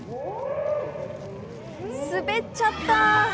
滑っちゃったー！